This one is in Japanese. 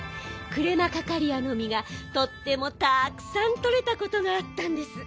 クレマカカリアのみがとってもたくさんとれたことがあったんです。